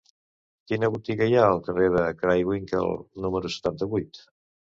Quina botiga hi ha al carrer de Craywinckel número setanta-vuit?